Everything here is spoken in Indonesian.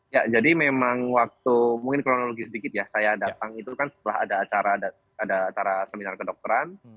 ya jadi memang waktu mungkin kronologi sedikit ya saya datang itu kan setelah ada acara seminar kedokteran